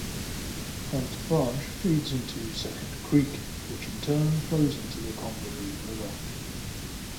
Hunt Branch feeds into Second Creek, which in turn flows into the Congaree River.